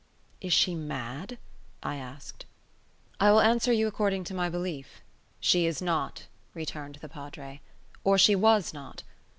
"Is she mad?" I asked. "I will answer you according to my belief. She is not," returned the Padre, "or she was not.